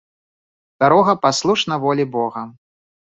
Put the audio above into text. Дарога паслушна волі Бога